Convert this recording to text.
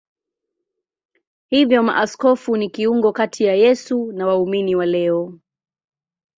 Hivyo maaskofu ni kiungo kati ya Yesu na waumini wa leo.